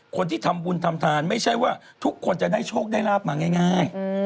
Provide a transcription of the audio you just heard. คนที่ทำบุญทำทานไม่ใช่ว่าทุกคนจะได้โชคได้ลาบมาง่าย